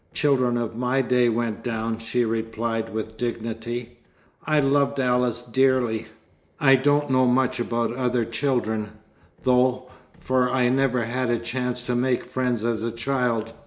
Children of my day went down," she replied with dignity. "I loved Alice dearly. I don't know much about other children, though, for I never had a chance to make friends as a child.